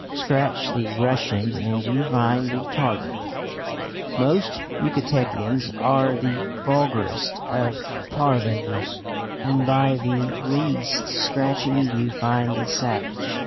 "Scratch the Russian and you find the Tartar." Most Yucatecans are the vulgarest of parvenus, and by the least scratching you find the savage.